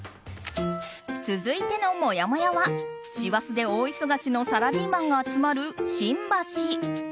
続いてのもやもやは師走で大忙しのサラリーマンが集まる新橋。